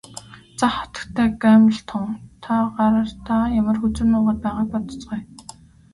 За хатагтай Гамильтон та гартаа ямар хөзөр нуугаад байгааг бодоцгооё.